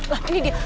lah ini dia